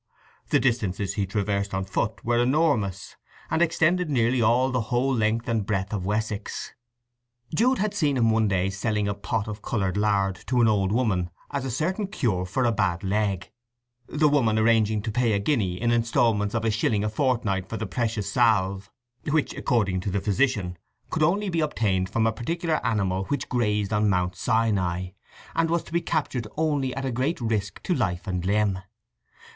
The distances he traversed on foot were enormous, and extended nearly the whole length and breadth of Wessex. Jude had one day seen him selling a pot of coloured lard to an old woman as a certain cure for a bad leg, the woman arranging to pay a guinea, in instalments of a shilling a fortnight, for the precious salve, which, according to the physician, could only be obtained from a particular animal which grazed on Mount Sinai, and was to be captured only at great risk to life and limb.